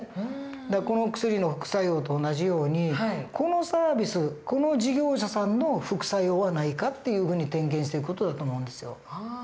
だからこの薬の副作用と同じようにこのサービスこの事業者さんの副作用はないかっていうふうに点検していく事だと思うんですよ。